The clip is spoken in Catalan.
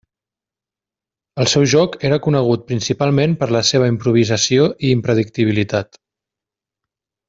El seu joc era conegut principalment per la seva improvisació i impredictibilitat.